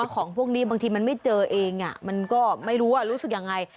ของพวกนี้บางทีมันไม่เจอเองมันก็ไม่รู้รู้สึกยังไง